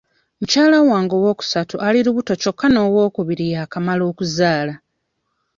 Mukyala wange owookusatu ali lubuto kyokka n'owookubiri yakamala okuzaala.